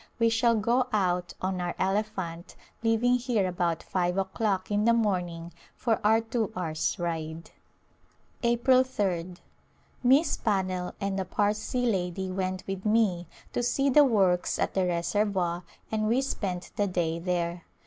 We shall go out on our elephant leaving here about five o'clock in the morning for our two hours' ride. A Glimpse of India April ^d. Miss Pannell and a Parsee lady went with me to see the works at the reservoir and we spent the day there.